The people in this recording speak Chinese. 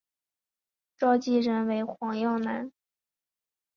召集人为黄耀南。